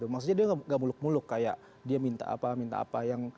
maksudnya dia gak muluk muluk kayak dia minta apa minta apa